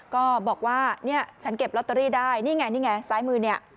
ก็บอกว่าฉันเก็บลอตเตอรี่ได้นี่ไงซ้ายมือนี่